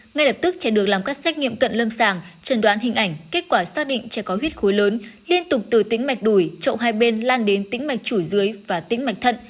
kinh nghiệm cận lâm sàng trần đoán hình ảnh kết quả xác định trẻ có huyết khối lớn liên tục từ tính mạch đuổi trộn hai bên lan đến tính mạch chủ dưới và tính mạch thận